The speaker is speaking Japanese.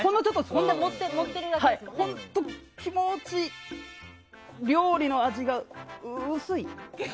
本当、気持ち、料理の味が薄い。